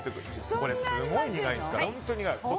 これ、すごい苦いんですから。